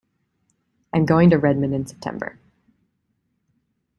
I’m going to Redmond in September.